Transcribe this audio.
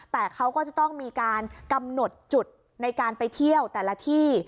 แต่เขาก็จะต้องมีการกำหนดจุดในการไปเที่ยวแต่ละที่